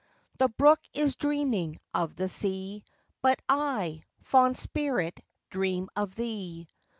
The brook is dreaming of the sea ; But I, fond spirit, dream of thee.